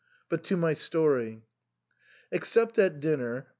* But to my story. Except at dinner we